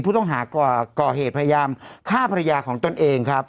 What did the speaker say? ผู้ต้องหาก่อเหตุพยายามฆ่าภรรยาของตนเองครับ